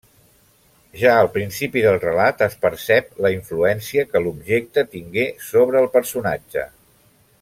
Ja al principi del relat es percep la influència que l'objecte tingué sobre el personatge.